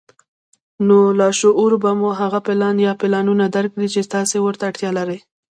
نو لاشعور به مو هغه پلان يا پلانونه درکړي چې تاسې ورته اړتيا لرئ.